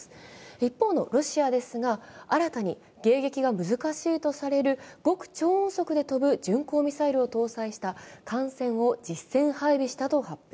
一方のロシアですが、新たに迎撃が難しいとされる極超音速で飛ぶ巡航ミサイルを搭載した艦船を配備したと発表。